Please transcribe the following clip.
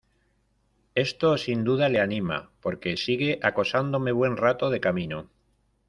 esto, sin duda , le anima , porque sigue acosándome buen rato de camino.